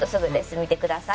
見てください。